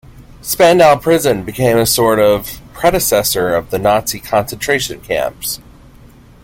Spandau Prison became a sort of predecessor of the Nazi concentration camps.